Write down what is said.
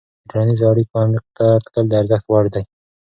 د ټولنیزو اړیکو عمیق ته تلل د ارزښت وړ دي.